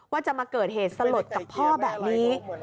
ว่าจะมาเกิดเหตุสลดกับพ่อแบบนี้